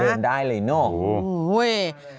เดินได้เลยเนอะ